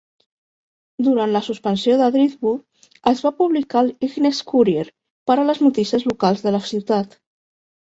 Durant la suspensió de Driftwood, es va publicar el "Ignace Courier" per a les notícies locals de la ciutat.